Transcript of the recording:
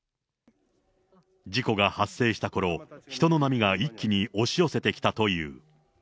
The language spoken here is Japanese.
事故が発生したころ、人の波が一気に押し寄せてきたという。